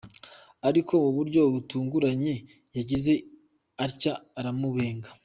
Ariko mu buryo butunguranye, yagize atya aramubenga.